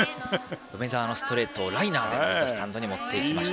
梅澤のストレートをライナーでスタンドに持っていきました。